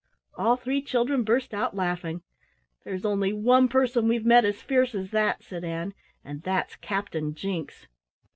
All three children burst out laughing. "There's only one person we've met as fierce as that," said Ann, "and that's Captain Jinks."